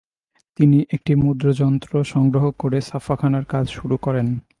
তিনি একটি মুদ্রণযন্ত্র সংগ্রহ করে ছাপাখানার কাজ শুরু করেন।